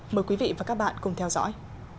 mời quý vị và các bạn cùng theo dõi